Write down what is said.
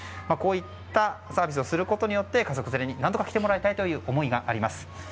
こういったサービスをすることによって家族連れに来てもらいたいという思いがあります。